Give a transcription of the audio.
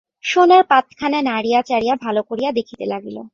সোনার পাতখানা নাড়িয়া চড়িয়া ভালো করিয়া দেখিতে লাগিল।